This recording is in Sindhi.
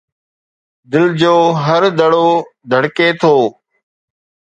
دل جو هر دڙو ڌڙڪي ٿو